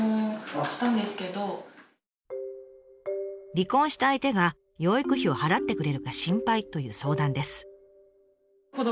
離婚した相手が養育費を払ってくれるか心配という相談です。